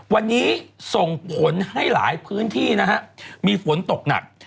วันนี้ส่งผลให้หลายพื้นที่นะฮะมีฝนตกหนัก